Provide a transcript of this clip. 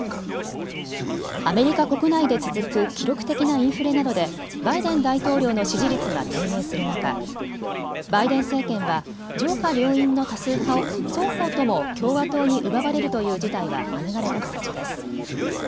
アメリカ国内で続く記録的なインフレなどでバイデン大統領の支持率が低迷する中、バイデン政権は上下両院の多数派を双方とも共和党に奪われるという事態は免れた形です。